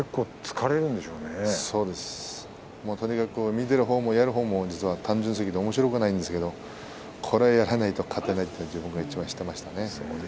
見ているほうもやるほうも単純すぎておもしろくないんですけれどもこれをやらないと勝てないというのを自分はよく知っていましたね。